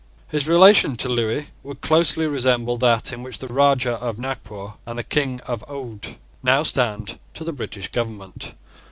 His relation to Lewis would closely resemble that in which the Rajah of Nagpore and the King of Oude now stand to the British Government.